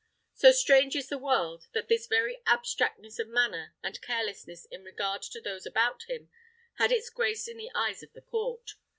So strange is the world, that this very abstractness of manner and carelessness in regard to those about him had its grace in the eyes of the court.